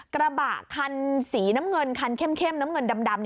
กระบะคันสีน้ำเงินคันเข้มน้ำเงินดำ